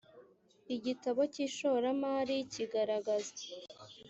igitabo cy ishoramari kigaragaza